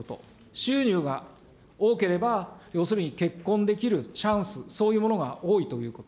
収入が多ければ、要するに結婚できるチャンス、そういうものが多いということ。